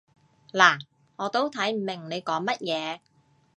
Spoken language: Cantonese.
嗱，我都睇唔明你講乜嘢